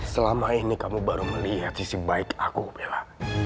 selama ini kamu baru melihat sisi baik aku bella